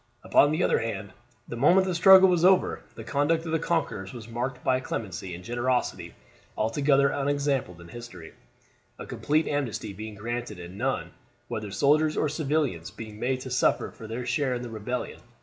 Upon the other hand, the moment the struggle was over the conduct of the conquerors was marked by a clemency and generosity altogether unexampled in history, a complete amnesty being granted, and none, whether soldiers or civilians, being made to suffer for their share in the rebellion.